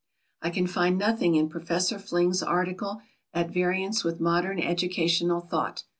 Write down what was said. I can find nothing in Professor Fling's article at variance with modern educational thought.